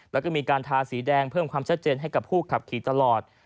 แล้วก็มีการทาสีแดงเพิ่มความชัดเจนให้กับผู้ขับขี่ตลอด